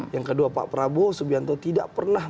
yang kedua pak prabowo subianto tidak pernah